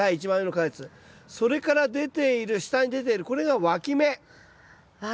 それから出ている下に出ているこれがわき芽。